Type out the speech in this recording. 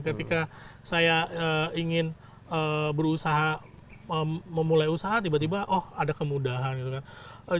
ketika saya ingin berusaha memulai usaha tiba tiba oh ada kemudahan gitu kan